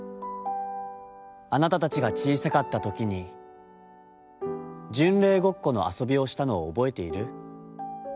『あなたたちが小さかった時に、『巡礼ごっこ』の遊びをしたのを覚えている？